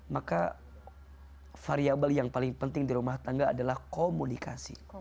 maka variable yang paling penting di rumah tangga adalah komunikasi